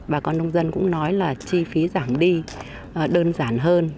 bà con nông dân cũng nói là chi phí giảm đi đơn giản hơn